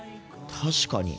確かに。